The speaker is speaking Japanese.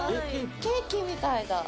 ケーキみたいだ。